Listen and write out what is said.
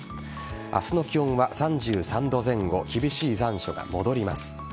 明日の気温は３３度前後厳しい残暑が戻ります。